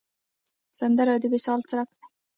سندره د وصال څرک دی